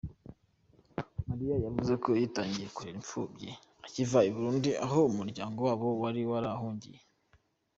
Mariya yavuze ko yatangiye kurera imfubyi akiva i Burundi aho umuryango wabo wari warahungiye.